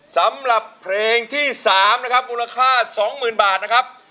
สำหรับเพลงทีสามละครับมูลค่าสองหมื่นบาทแล้วครับ